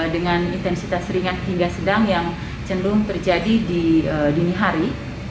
dengan intensitas ringan hingga sedang yang cenderung terjadi di dini hari